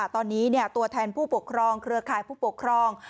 ตอนนี้ตัวแทนผู้ปกครองเครือข่ายผู้ปกครอง